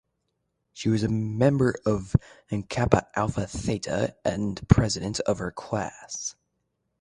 She was a member of Kappa Alpha Theta and president of her class.